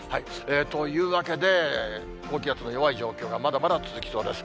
というわけで、高気圧の弱い状況がまだまだ続きそうです。